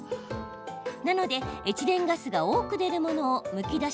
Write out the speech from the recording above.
なのでエチレンガスが多く出るものをむき出しで冷蔵庫に入れると